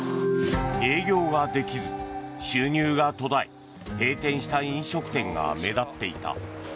営業ができず収入が途絶え閉店した飲食店が目立っていた。